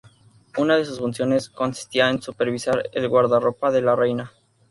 Una de sus funciones consistía en supervisar el guardarropa de la reina.